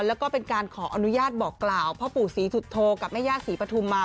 แล้วก็เป็นการขออนุญาตบอกกล่าวพ่อปู่ศรีสุโธกับแม่ย่าศรีปฐุมมา